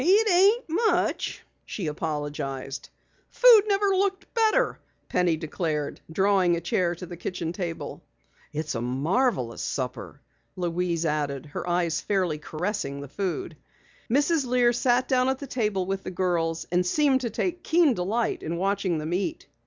"It ain't much," she apologized. "Food never looked better," Penny declared, drawing a chair to the kitchen table. "It's a marvelous supper!" Louise added, her eyes fairly caressing the food. Mrs. Lear sat down at the table with the girls and seemed to take keen delight in watching them eat.